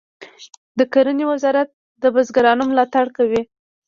د کرنې وزارت د بزګرانو ملاتړ کوي